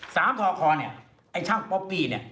ทอคอเนี่ยไอ้ช่างป๊อปปี้เนี่ย